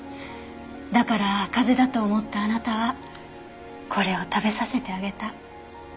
だから風邪だと思ったあなたはこれを食べさせてあげた。